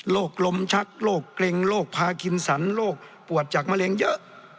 ลมชักโรคเกร็งโรคพากินสันโรคปวดจากมะเร็งเยอะ